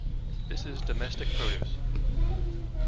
This is domestic produce.